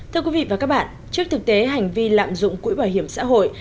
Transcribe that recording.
thưa quý vị và các bạn trước thực tế hành vi lạm dụng quỹ bảo hiểm xã hội